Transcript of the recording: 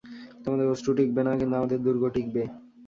তোমাদের অশ্রু টিঁকবে না, কিন্তু আমাদের দুর্গ টিঁকবে।